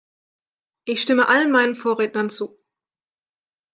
Ich stimme allen meinen Vorrednern zu.